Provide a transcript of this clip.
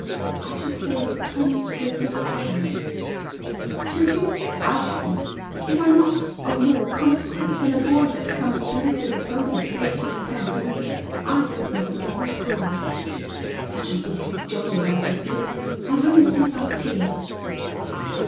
" I should say Tom Sprig and I," "Should you? I shouldn't* If I'ni not of more consequence than a boy that comes to litter the pony for eighteen pence a week, I don't know English grammar. Such an awfully jolly arbour. Sib. I'll run and see about tea."